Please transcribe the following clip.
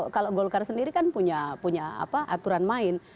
kalau golkar sendiri kan punya aturan main